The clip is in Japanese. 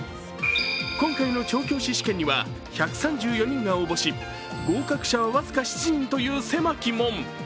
今回の調教師試験には１３４人が応募し合格者は僅か７人という狭き門。